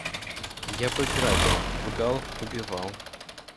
Я бы грабил, лгал, убивал.